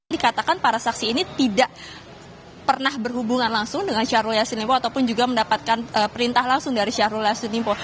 dikatakan para saksi ini tidak pernah berhubungan langsung dengan syahrul yassin limpo ataupun juga mendapatkan perintah langsung dari syahrul yassin limpo